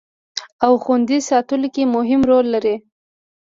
او خوندي ساتلو کې مهم رول لري